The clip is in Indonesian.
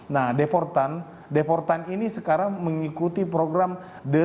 nah deportan deportan ini sekarang mengikuti program